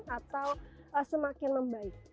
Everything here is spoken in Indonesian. atau semakin banyak